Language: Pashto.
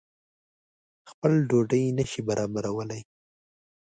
خپل ډوډۍ نه شي برابرولای.